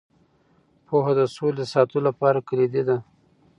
پوهه د سولې د ساتلو لپاره کلیدي ده.